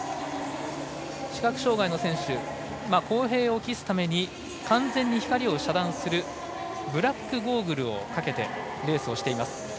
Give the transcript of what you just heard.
視覚障がいの選手公平を期すために完全に光を遮断するブラックゴーグルをかけてレースをしています。